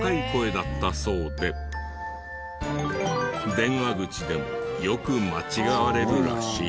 電話口でもよく間違われるらしい。